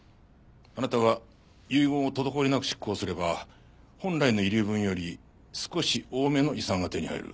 あなたは遺言を滞りなく執行すれば本来の遺留分より少し多めの遺産が手に入る。